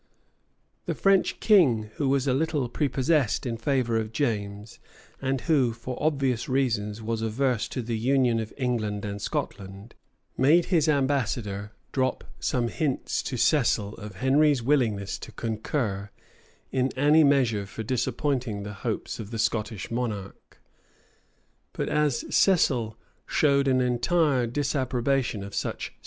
The French king, who was little prepossessed in favor of James, and who, for obvious reasons, was averse to the union of England and Scotland,[] made his ambassador drop some hints to Cecil of Henry's willingness to concur in any measure for disappointing the hopes of the Scottish monarch; but as Cecil showed an entire disapprobation of such schemes.